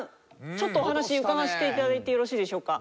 ちょっとお話伺わせて頂いてよろしいでしょうか？